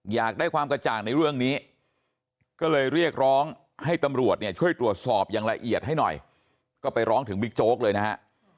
อยากได้ความกระจ่างในเรื่องนี้ก็เลยเรียกร้องให้ตำรวจเนี่ยช่วยตรวจสอบอย่างละเอียดให้หน่อยก็ไปร้องถึงบิ๊กโจ๊กเลยนะฮะ